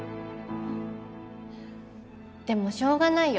でもしょうがないよ。